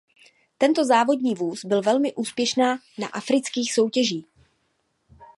Tento závodní vůz byl velmi úspěšná na afrických soutěžích.